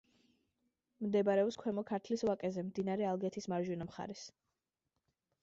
მდებარეობს ქვემო ქართლის ვაკეზე, მდინარე ალგეთის მარჯვენა მხარეს.